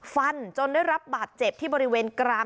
ฟันจนได้รับบาดเจ็บที่บริเวณกลาง